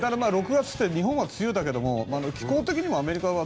６月って日本は梅雨だけど気候的にはアメリカは。